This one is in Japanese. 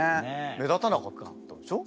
目立たなかったでしょ？